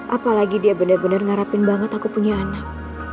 apalagi dia bener bener ngarapin banget aku punya anak